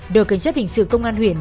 đội cảnh sát hình sự công an huyện